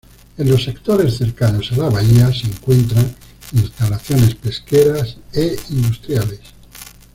En los sectores cercanos a la bahía se encuentran instalaciones pesqueras e industriales.